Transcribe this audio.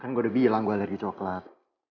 kan gue udah bilang gue alergi coklat